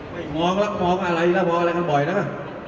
มองแล้วมองอะไรนะมองอะไรกันบ่อยนะ